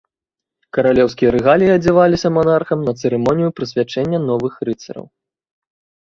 Каралеўскія рэгаліі адзяваліся манархам на цырымонію прысвячэння новых рыцараў.